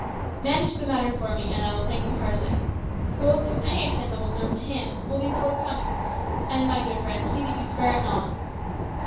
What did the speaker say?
"Manage the matter for me, and I will thank you heartily. Gold, to any extent that will serve him, shall be forthcoming; and, my good friend, see that you spare it not."